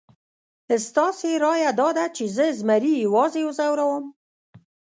ستاسې رایه داده چې زه زمري یوازې وځوروم؟